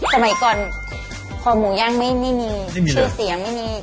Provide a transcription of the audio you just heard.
สมัยก่อนคอหมูย่างไม่มีชื่อเสียงไม่มี